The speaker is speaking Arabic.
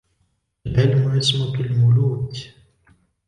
الْعِلْمُ عِصْمَةُ الْمُلُوكِ